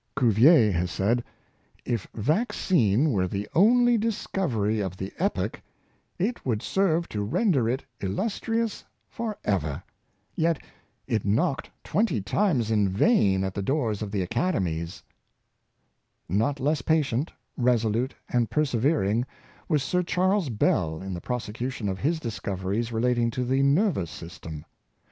Cuvier has said, " If vaccine were the only discovery of the epoch, it would serve to render it illustrious forever; yet it knocked twenty times in vain at the doors of the Academies/' Not less patient, resolute, and persevering was Sir Charles Bell in the prosecution of his discoveries re lating to the nervous system.